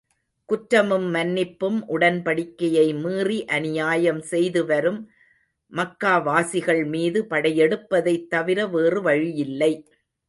குற்றமும் மன்னிப்பும் உடன்படிக்கையை மீறி அநியாயம் செய்து வரும் மக்காவாசிகள் மீது படையெடுப்பதைத் தவிர வேறு வழியில்லை.